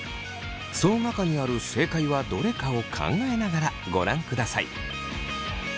その中にある正解はどれかを考えながらご覧ください。